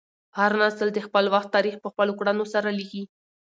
هر نسل د خپل وخت تاریخ په خپلو کړنو سره لیکي.